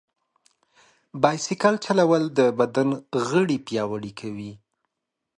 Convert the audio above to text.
بایسکل چلول د بدن غړي پیاوړي کوي.